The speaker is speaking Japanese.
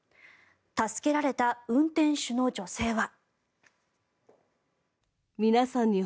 助けられた運転手の女性は。